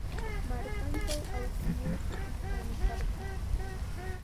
Markantraw awkilluu trikishqami karqan.